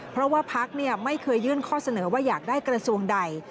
เพราะว่าพักไม่เคยยื่นข้อเสนอว่าอยากได้กระทรวงใด